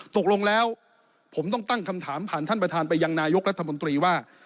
ตกลงแล้วผมต้องตั้งคำถามผ่านท่านประธานไปยังนายกรัฐมนตรีว่า